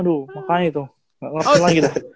aduh makanya tuh gak ngerti lagi tuh